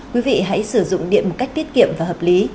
quý vị hãy sử dụng điện một cách tiết kiệm và hợp lý